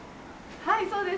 はいそうです。